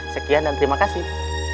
sekian dan terima kasih